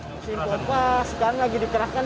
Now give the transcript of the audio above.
mesin pompa sekarang lagi dikerahkan